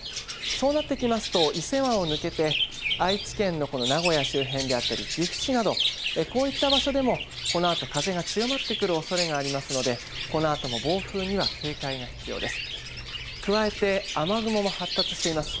そうなってきますと伊勢湾を抜けて愛知県の名古屋周辺であったり岐阜市などこういった場所でも、このあと風が強まってくるおそれがありますのでこのあとも暴風には警戒が必要です。